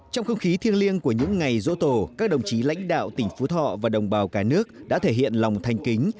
trong không khí thiêng liêng của những ngày rỗ tổ các đồng chí lãnh đạo tỉnh phú thọ và đồng bào cả nước đã thể hiện lòng thanh kính